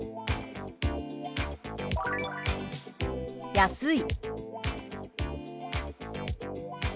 「安い」。